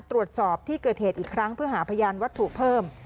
ตรวจสอบที่เกิดเหตุอีกครั้งเพื่อหาพยานวัตถุเพิ่ม